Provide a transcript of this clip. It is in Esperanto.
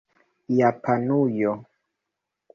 japanujo